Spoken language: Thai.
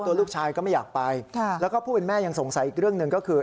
ตัวลูกชายก็ไม่อยากไปแล้วก็ผู้เป็นแม่ยังสงสัยอีกเรื่องหนึ่งก็คือ